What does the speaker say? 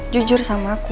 jujur sama aku